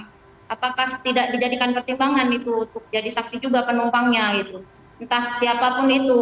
itu maka tidak dijadikan pertimbangan itu jadi saksi juga penumpangnya itu entah siapapun itu